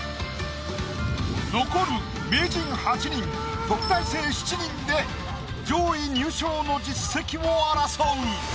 残る名人８人特待生７人で上位入賞の１０席を争う。